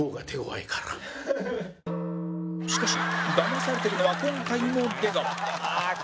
しかしだまされてるのは今回も出川